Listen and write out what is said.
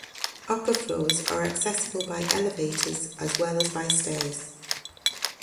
Upper floors are accessible by elevators as well as by stairs.